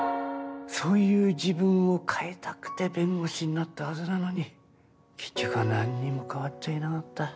そういう自分を変えたくて弁護士になったはずなのに結局は何にも変わっちゃいなかった。